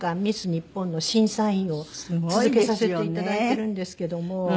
日本の審査員を続けさせていただいてるんですけども。